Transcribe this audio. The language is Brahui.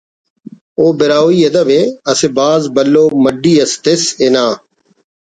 او براہوئی ادب ءِ اسہ بھاز بھلو مڈی اس تس ہنا